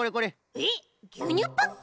えっぎゅうにゅうパック？